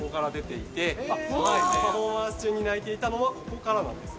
パフォーマンス中に鳴いていたのはここからなんです・